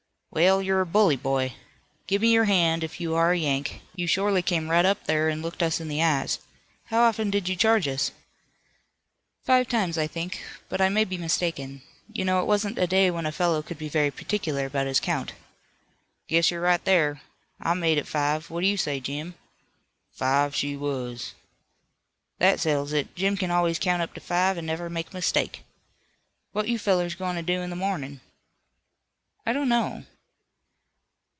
"Well, you're a bully boy. Give me your hand, if you are a Yank. You shorely came right up there and looked us in the eyes. How often did you charge us?" "Five times, I think. But I may be mistaken. You know it wasn't a day when a fellow could be very particular about his count." "Guess you're right there. I made it five. What do you say, Jim?" "Five she was." "That settles it. Jim kin always count up to five an' never make a mistake. What you fellers goin' to do in the mornin'?" "I don't know."